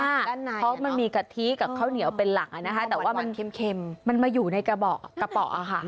เพราะมันมีกะทิกับข้าวเหนียวเป็นหลักแต่ว่ามันมาอยู่ในกระเป๋าค่ะ